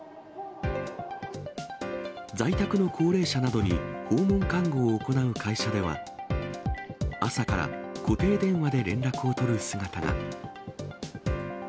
在宅の高齢者などに訪問看護を行う会社では、朝から固定電話で連絡を取る姿が。